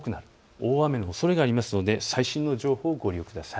大雨のおそれがありますので最新の情報をご利用ください。